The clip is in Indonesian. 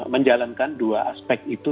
menjalankan dua aspek itu